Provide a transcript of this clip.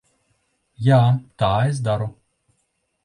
Jā, tā es daru.